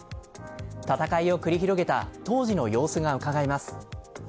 戦いを繰り広げた当時の様子がうかがえます。